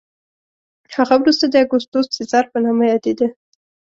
هغه وروسته د اګوستوس سزار په نامه یادېده